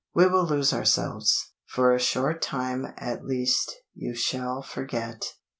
We will lose ourselves. For a short time, at least, you shall forget."